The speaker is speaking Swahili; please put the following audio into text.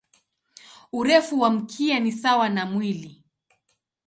Urefu wa mkia ni sawa na mwili.